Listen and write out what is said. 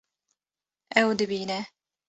Ew dibîne